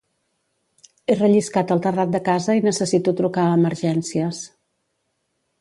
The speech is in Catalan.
He relliscat al terrat de casa i necessito trucar a Emergències.